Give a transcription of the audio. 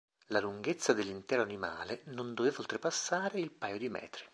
La lunghezza dell'intero animale non doveva oltrepassare il paio di metri.